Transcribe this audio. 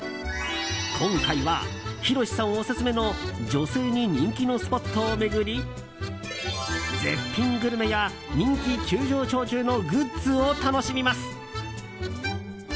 今回は、ヒロシさんオススメの女性に人気のスポットを巡り絶品グルメや人気急上昇中のグッズを楽しみます。